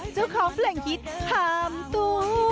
เจ้าของเพลงฮิตถามตู้